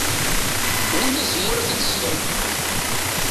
Wwin azemmur ad t-id-ẓden.